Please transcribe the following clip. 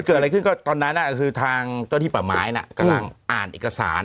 เกิดอะไรขึ้นก็ตอนนั้นคือทางเจ้าที่ป่าไม้น่ะกำลังอ่านเอกสาร